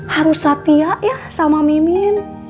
harus satya ya sama mimin